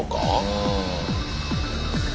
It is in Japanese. うん。